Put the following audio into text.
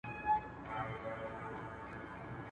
د وزر او د لکۍ په ننداره سو.